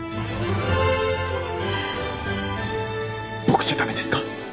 僕じゃ駄目ですか？